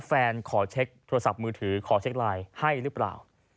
ขอเช็คโทรศัพท์มือถือขอเช็คไลน์ให้หรือเปล่า